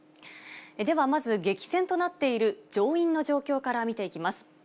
ではまず、激戦となっている上院の状況から見ていきます。